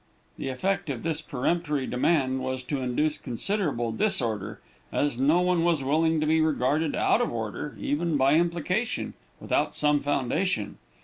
The effect of this peremptory demand was to induce considerable disorder, as no one was willing to be regarded out of order, even by implication, without some foundation.